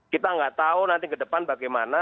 kita nggak tahu nanti ke depan bagaimana